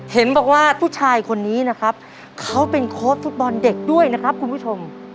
เห็นบอกว่าผู้ชายคนนี้นะครับเขาเป็นโค้ชฟุตบอลเด็กด้วยนะครับคุณผู้ชม